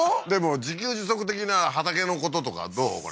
でも自給自足的な畑のこととかどう？